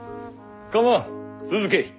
構わん続けい。